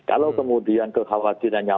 kalau kemudian kekhawatirannya